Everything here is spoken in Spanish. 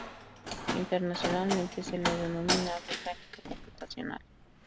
Internacionalmente se la denomina mecánica computacional.